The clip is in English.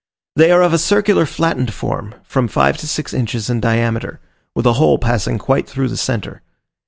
They are of a circular flattened form, from five to six inches in diameter, with a hole passing quite through the centre.